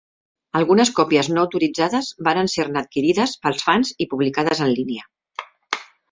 Algunes còpies no autoritzades varen ser-ne adquirides pels fans i publicades en línia.